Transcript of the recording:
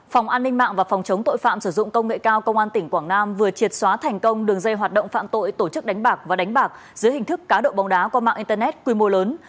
phòng an ninh mạng và phòng chống tội phạm sử dụng công nghệ cao công an tỉnh quảng nam vừa triệt xóa thành công đường dây hoạt động phạm tội tổ chức đánh bạc và đánh bạc dưới hình thức cá độ bóng đá qua mạng internet quy mô lớn